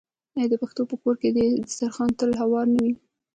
آیا د پښتنو په کور کې دسترخان تل هوار نه وي؟